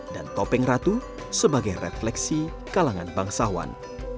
dan topeng ratu sebagai refleksi kalangan bangsawan